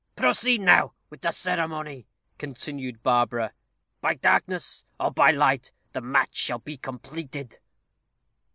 "Proceed now with the ceremony," continued Barbara. "By darkness, or by light, the match shall be completed."